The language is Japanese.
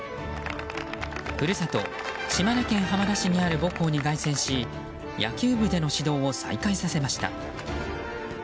故郷、島根県浜田市にある母校に凱旋し野球部での指導を再開させました。